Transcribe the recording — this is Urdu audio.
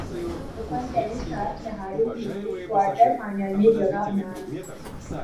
بارسلونا اوپن ٹینس اسٹار کھلاڑی نے کوارٹر فائنل میں جگہ بنا لی